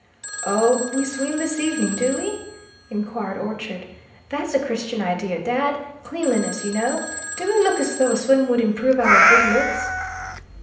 "Oh, we swim this evening, do we?" inquired Orchard. "That's a Christian idea, Dad, cleanliness, you know. Do we look as though a swim would improve our good looks?"